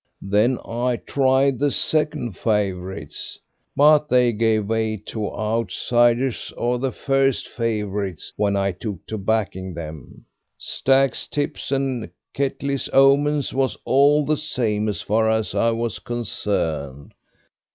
Then I tried the second favourites, but they gave way to outsiders or the first favourites when I took to backing them. Stack's tips and Ketley's omens was all the same as far as I was concerned.